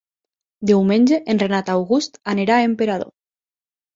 Diumenge en Renat August anirà a Emperador.